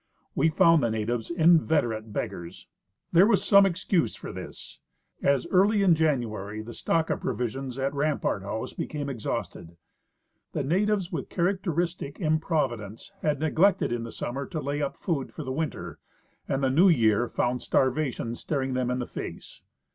We found the natives inveterate beggars. There was some excuse for this, as early in January the stock of provisions at Rampart house became exhausted. The natives with characteristic im providence had neglected in summer to lay up food for the' win ter, and the new year found starvation staring them in the face.